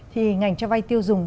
thì ngành cho vay tiêu dùng